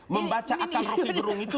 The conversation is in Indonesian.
membaca akal roky gerung itu